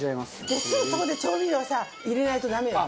ですぐそこで調味料をさ入れないとダメよ。